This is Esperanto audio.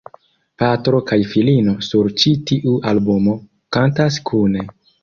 Patro kaj filino sur ĉi tiu albumo kantas kune.